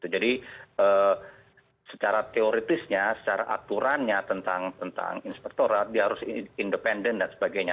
jadi secara teoritisnya secara aturannya tentang inspektorat dia harus independen dan sebagainya